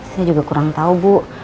saya juga kurang tahu bu